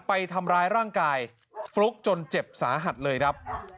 ไปทำร้ายร่างกายฟลุ๊กจนเจ็บสาหัสเลยครับ